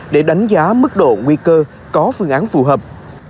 để đánh giá mức độ nguy cơ có phương án phù hợp